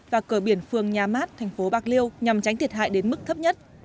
và cửa biển phương nhà mát thành phố bạc liêu nhằm tránh thiệt hại đến mức thấp nhất